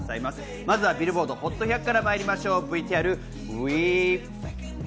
まずはビルボードＨＯＴ１００からまいりましょう、ＶＴＲＷＥ！